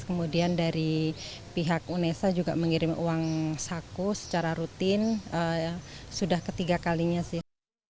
kemudian dari pihak unesa juga mengirim uang saku secara rutin sudah ketiga kalinya sih